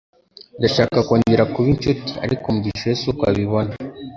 Ndashaka kongera kuba inshuti, ariko Mugisha we siko abibona